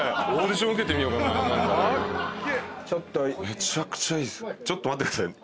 めちゃくちゃいいっす。